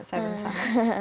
saya dan salah